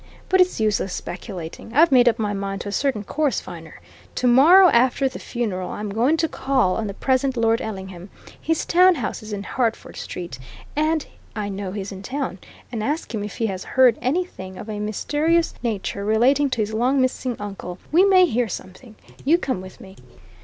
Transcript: But it's useless speculating. I've made up my mind to a certain course, Viner. Tomorrow, after the funeral, I'm going to call on the present Lord Ellingham his town house is in Hertford Street, and I know he's in town and ask him if he has heard anything of a mysterious nature relating to his long missing uncle. We may hear something you come with me."